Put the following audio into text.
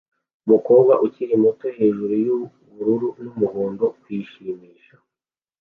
Umukobwa ukiri muto hejuru yubururu n'umuhondo kwishimisha